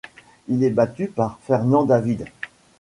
Il est battu par Fernand David.